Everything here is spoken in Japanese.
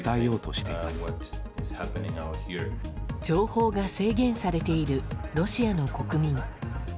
情報が制限されているロシアの国民。